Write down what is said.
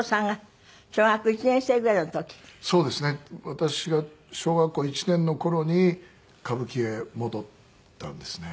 私が小学校１年の頃に歌舞伎へ戻ったんですね。